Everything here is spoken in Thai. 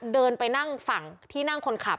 เดินไปนั่งฝั่งที่นั่งคนขับ